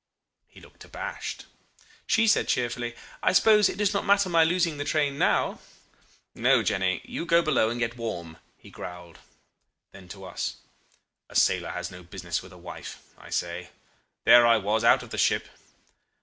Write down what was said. He looked abashed. She said cheerfully, 'I suppose it does not matter my losing the train now?' 'No, Jenny you go below and get warm,' he growled. Then to us: 'A sailor has no business with a wife I say. There I was, out of the ship.